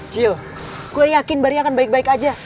cil gue yakin bari akan baik baik aja